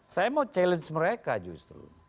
saya mau challenge mereka justru